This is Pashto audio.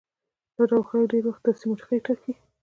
دا ډول خلک ډېری وخت داسې موخې ټاکي.